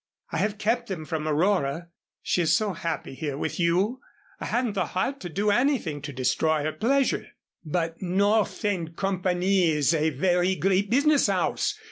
I have kept them from Aurora. She is so happy here with you I hadn't the heart to do anything to destroy her pleasure." "But North and Company is a very great business house.